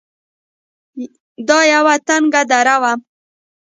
دا يوه تنگه دره وه.